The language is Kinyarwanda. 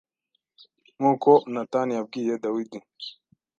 Nkuko Natani yabwiye Dawidi,